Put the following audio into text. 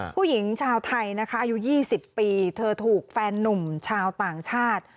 ผู้หญิงชาวไทยนะคะอายุ๒๐ปีเธอถูกแฟนนุ่มชาวต่างชาติ